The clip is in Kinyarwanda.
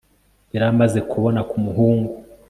yari amaze kubona kumuhungu